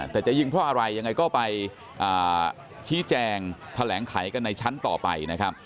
แต่จะยิงเพราะอะไรยังไงก็ไปชี้แจงแถลงไขกันในชั้นต่อไปนะครับ